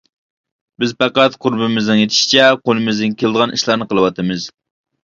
بىز پەقەت قۇربىمىزنىڭ يېتىشىچە قولىمىزدىن كېلىدىغان ئىشلارنى قىلىۋاتىمىز.